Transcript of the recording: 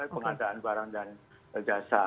pengadaan barang dan jasa